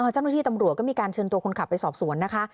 เจ้าหน้าที่ตำรวจก็มีการเชิญตัวคนขับไปสอบสวนนะคะ